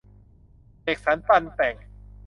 เสกสรรปั้นแต่ง